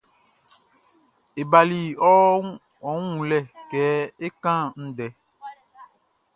E bali ɔ wun wunlɛ kɛ é kán ndɛ.